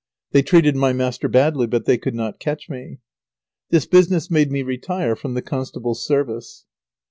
They treated my master badly, but they could not catch me. This business made me retire from the constable's service.